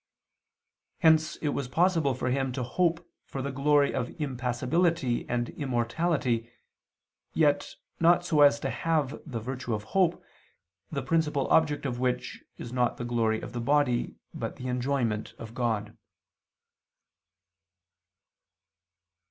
Hence it was possible for Him to hope for the glory of impassibility and immortality, yet not so as to have the virtue of hope, the principal object of which is not the glory of the body but the enjoyment of God.